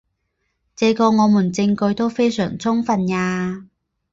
这个我们证据都非常充分呀。